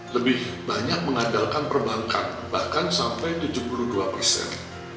lebih banyak mengandalkan perbankan bahkan sampai tujuh puluh dua persen